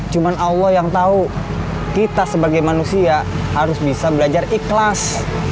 cuma allah yang tahu kita sebagai manusia harus bisa belajar ikhlas